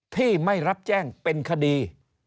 ที่ไม่รับแจ้งเป็นคดี